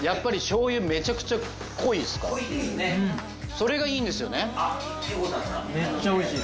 それがいいんですよね。